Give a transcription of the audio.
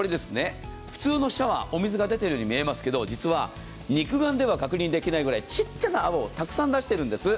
普通のシャワー、お水が出ているように見えますけど、実は肉眼では確認できないくらい、ちっちゃな泡をたくさん出しているんです。